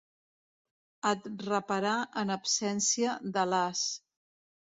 Et raparà en absència de l'as.